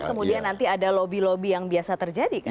kemudian nanti ada lobby lobby yang biasa terjadi kan